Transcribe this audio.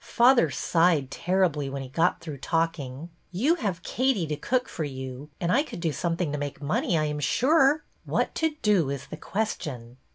Father sighed terribly when he got through talk ing. You have Katie to cook for you, and I could do something to make money, I am sure. What to do is the question."